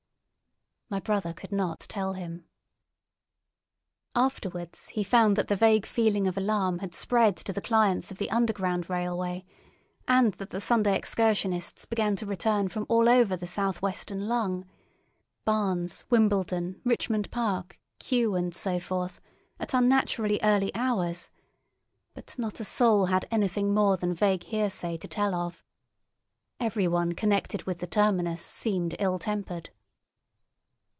My brother could not tell him. Afterwards he found that the vague feeling of alarm had spread to the clients of the underground railway, and that the Sunday excursionists began to return from all over the South Western "lung"—Barnes, Wimbledon, Richmond Park, Kew, and so forth—at unnaturally early hours; but not a soul had anything more than vague hearsay to tell of. Everyone connected with the terminus seemed ill tempered.